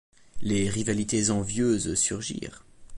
Les rivalités envieuses surgirent.